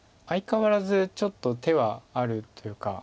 相変わらずちょっと手はあるというか。